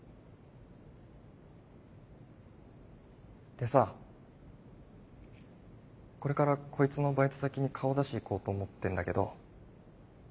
でさこれからこいつのバイト先に顔出しに行こうと思ってんだけど。